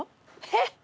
えっ！？」